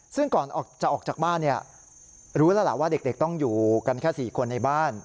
ซึ่งก่อนจะออกจากบ้านรู้แล้วล่ะว่าเด็กต้องอยู่กันแค่๔คนในบ้าน